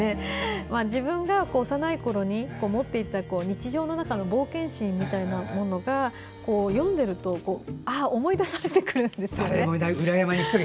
自分が幼いころに持っていた日常の中の冒険心みたいなものが読んでいると思い出されてくるんですよね。